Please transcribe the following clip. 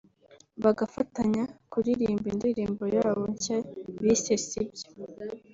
bagafatanya kuririmba indirimbo yabo nshya bise ‘Sibyo’